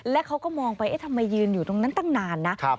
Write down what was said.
แล้วเขาก็มองไปเอ๊ะทำไมยืนอยู่ตรงนั้นตั้งนานนะ